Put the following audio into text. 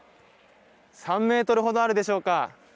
３メートルほどあるでしょうか。